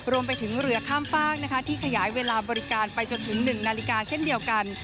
รวมไปถึงเรือข้ามฝากที่ขยายเวลาบริการไปจนถึง๑นาฬิกาเช่นเดียวกัน